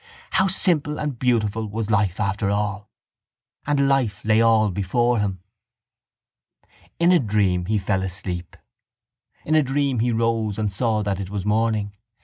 How simple and beautiful was life after all! And life lay all before him. In a dream he fell asleep. In a dream he rose and saw that it was morning.